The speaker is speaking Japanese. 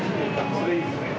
これいいですよね。